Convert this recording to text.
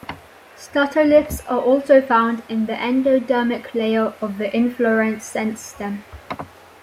Statoliths are also found in the endodermic layer of the inflorescence stem.